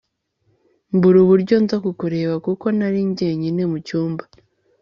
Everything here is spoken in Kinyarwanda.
mbura uburyo nza kukureba kuko nari njyenyine mu cyumba